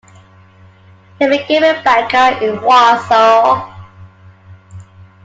He became a banker in Warsaw.